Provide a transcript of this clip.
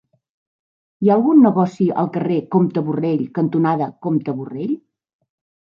Hi ha algun negoci al carrer Comte Borrell cantonada Comte Borrell?